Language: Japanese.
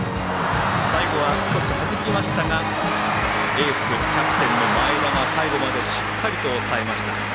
最後は少しはじきましたがエースでキャプテンの前田が最後までしっかり抑えました。